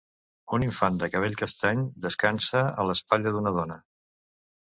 Un infant de cabell castany descansa a l'espatlla d'una dona.